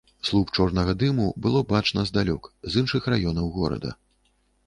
Слуп чорнага дыму было бачна здалёк, з іншых раёнаў горада.